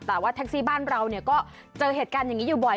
แต่ว่าแท็กซี่บ้านเราก็เจอเหตุการณ์อย่างนี้อยู่บ่อย